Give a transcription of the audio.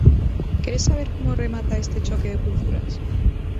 Queres saber como remata este choque de culturas?